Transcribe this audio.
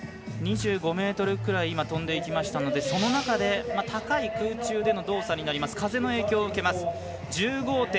２５ｍくらいとんでいきましたので高い空中での動作になりますので風の影響を受けます。